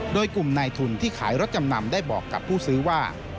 โดยกลุ่มนายทุนที่ขายรถจำนำได้บอกกับผู้ซื้อว่า